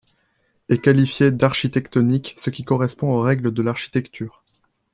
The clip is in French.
Est qualifié d'architectonique ce qui correspond aux règles de l'Architecture.